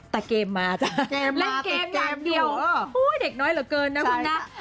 แต่เกมมาจ๊ะเล่นเกมหนักเดียวเฮ้ยเด็กน้อยเหลือเกินนะคุณนัก